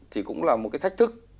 thì cũng là một cái thách thức